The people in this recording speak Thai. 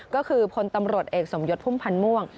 ก็คือพลตำรวจเอกสมยศพุ่มพันธ์ม่วง